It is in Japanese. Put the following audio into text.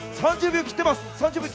３０秒を切っています。